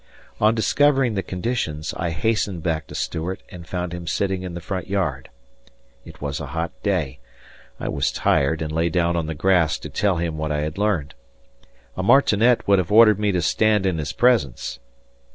On discovering the conditions, I hastened back to Stuart and found him sitting in the front yard. It was a hot day I was tired and lay down on the grass to tell him what I had learned. A martinet would have ordered me to stand in his presence.